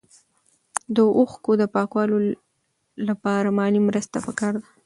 د اوښکو د پاکولو لپاره مالي مرسته پکار ده.